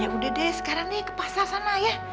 yaudah deh sekarang nih ke pasar sana ya